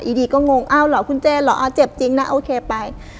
อีดีก็งงอ้าวเหรอคุณเจนเจ็บจริงนะโอเคไป